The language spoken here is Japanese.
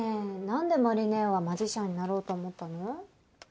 何で麻里姉はマジシャンになろうと思ったの？